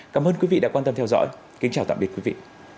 cảm ơn quý vị đã quan tâm theo dõi kính chào tạm biệt quý vị